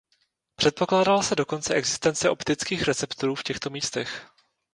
Předpokládala se dokonce existence optických receptorů v těchto místech.